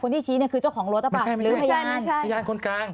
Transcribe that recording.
คนที่ชี้เนี่ยคือเจ้าของรถหรอเปล่าไม่ใช่ไม่ใช่พยานพยานคนกลาง